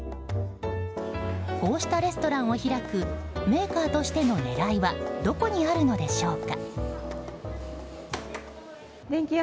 こうしたレストランを開くメーカーとしての狙いはどこにあるのでしょうか。